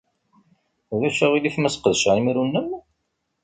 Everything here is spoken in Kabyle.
Ulac aɣilif ma sqedceɣ imru-nnem?